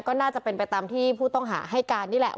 ก็น่าจะเป็นไปตามที่ผู้ต้องหาให้การนี่แหละ